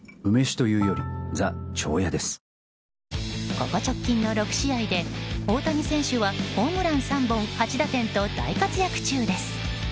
ここ直近の６試合で大谷選手はホームラン３本、８打点と大活躍中です。